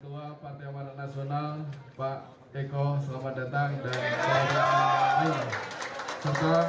tua partai amaran nasional pak eko selamat datang dan selamat datang